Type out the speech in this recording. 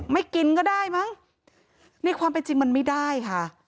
ไม่กินก็ได้มั้งในความเป็นจริงมันไม่ได้ค่ะ